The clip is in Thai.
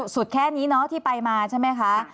สุดแค่นี้ที่ไปมาใช่ไหมคะ